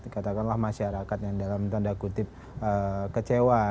katakanlah masyarakat yang dalam tanda kutip kecewa